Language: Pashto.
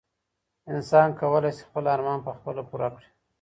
انسان کولای شي خپل ارمان په خپله پوره کړي.